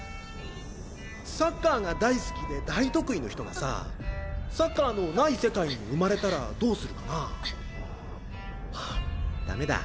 サッカーが大好きで大得意の人がさサッカーのない世界に生まれたらどうするかな？ははっダメだ。